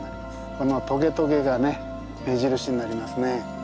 このトゲトゲが目印になりますね。